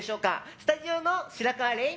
スタジオの白河れい